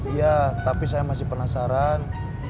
iya tapi saya masih penasaran